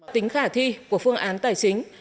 tính khả thi của phương án tài chính